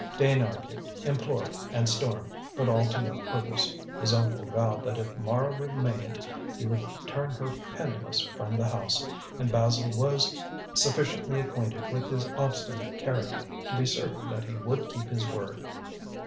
Dane argued, implored and stormed, but all to no purpose. His uncle vowed that if Mara remained, he would turn her penniless from the house, and Basil was sufficiently acquainted with his obstinate character to be certain that he would keep his word.